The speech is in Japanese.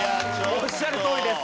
おっしゃるとおりです。